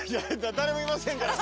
誰もいませんから。